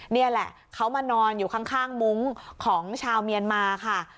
นี่แหละเขามานอนอยู่ข้างมุ้งของชาวเมียนมาค่ะ